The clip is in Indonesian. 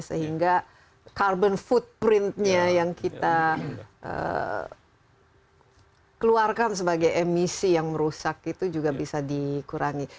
sehingga carbon footprintnya yang kita keluarkan sebagai emisi yang merusak itu juga bisa dikurangi